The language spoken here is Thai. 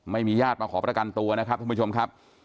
ญาติมาขอประกันตัวนะครับท่านผู้ชมครับ